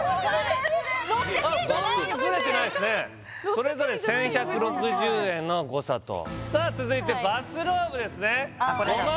それぞれ１１６０円の誤差とさあ続いてバスローブですねあっ